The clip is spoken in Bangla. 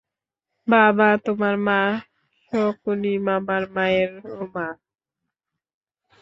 বাবা, তোমার মা শকুনি মামার মায়েরও মা।